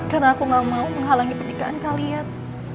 karena aku gak mau menghalangi pernikahan kalian